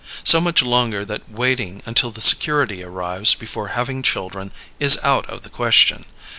So much longer that waiting until the security arrives before having children is out of the question.